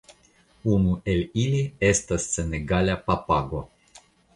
Unu el ili estas senegala papago.